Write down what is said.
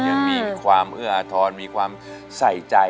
ยังมีความเอื้ออาทรมีความใส่ใจ